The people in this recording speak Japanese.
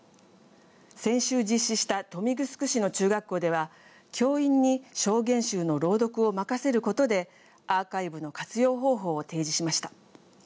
先週実施した豊見城市の中学校では教員に証言集の朗読を任せることでアーカイブの活用方法を提示しました。